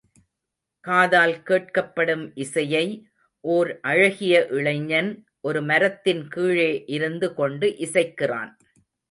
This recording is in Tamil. காதால் கேட்கப்படும் இசையை, ஓர் அழகிய இளைஞன் ஒரு மரத்தின் கீழே இருந்து கொண்டு இசைக்கிறான்.